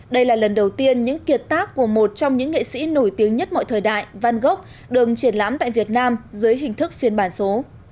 đây là lần đầu tiên những kiệt tác của một trong những nghệ sĩ nổi tiếng nhất mọi thời đại văn gốc đường triển lãm tại việt nam dưới hình thức phiên bản số